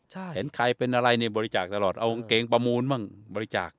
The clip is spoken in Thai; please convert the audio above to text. เห็นใครเป็นอะไรเนี่ยบริจาคตลอดเอากางเกงประมูลบ้างบริจาค